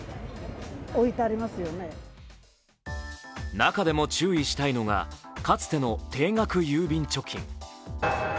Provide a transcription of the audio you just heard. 中でも注意したいのがかつての定額郵便貯金。